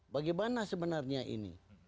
bagaimana sebenarnya ini